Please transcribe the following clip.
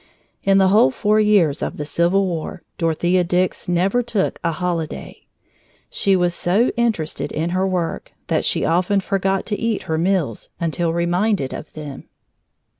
In the whole four years of the Civil War, Dorothea Dix never took a holiday. She was so interested in her work that often she forgot to eat her meals until reminded of them.